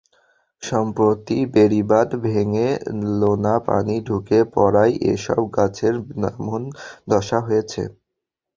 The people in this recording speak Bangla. সম্প্রতি বেড়িবাঁধ ভেঙে লোনা পানি ঢুকে পড়ায় এসব গাছের এমন দশা হয়েছে।